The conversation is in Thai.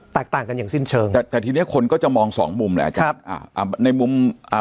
แตกต่างกันอย่างสิ้นเชิงแต่แต่ทีเนี้ยคนก็จะมองสองมุมแหละอาจารย์อ่าอ่าในมุมอ่า